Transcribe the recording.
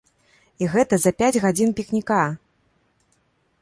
І гэта за пяць гадзін пікніка!